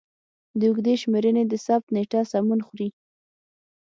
د اوږدې شمېرنې د ثبت نېټه سمون خوري.